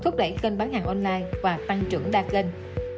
thúc đẩy kênh bán hàng online và tăng trưởng đa kênh